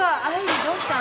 どうしたん？